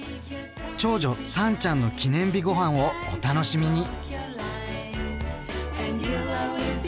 長女さんちゃんの記念日ごはんをお楽しみに！